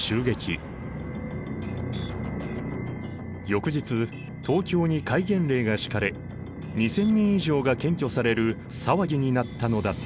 翌日東京に戒厳令が敷かれ２，０００人以上が検挙される騒ぎになったのだった。